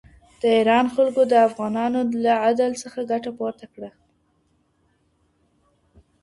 د ایران خلکو د افغانانو له عدل څخه ګټه پورته کړه.